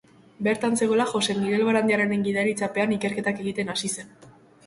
Bertan zegoela Jose Migel Barandiaranen gidaritzapean ikerketak egiten hasi zen.